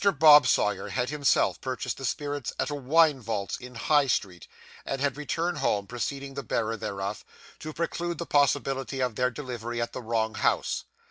Bob Sawyer had himself purchased the spirits at a wine vaults in High Street, and had returned home preceding the bearer thereof, to preclude the possibility of their delivery at the wrong house.